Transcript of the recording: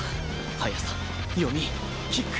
速さ読みキック